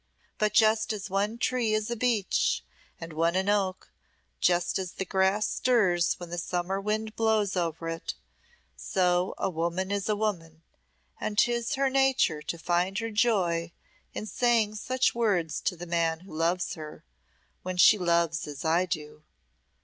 But just as one tree is a beech and one an oak, just as the grass stirs when the summer wind blows over it, so a woman is a woman, and 'tis her nature to find her joy in saying such words to the man who loves her, when she loves as I do.